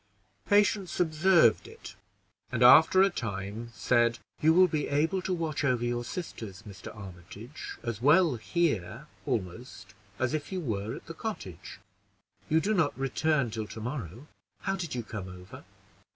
Patience observed it, and after a time said "You will be able to watch over your sisters, Mr. Armitage, as well here, almost, as if you were at the cottage. You do not return till to morrow? How did you come over?"